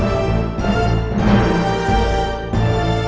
aku akan selalu beautifulingsg